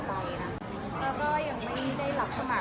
ก็ไม่ได้ถือขนาดนั้นน่ะ